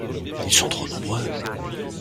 Ils sont trop nombreux.